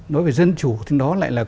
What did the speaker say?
nói về dân chủ thì nó lại là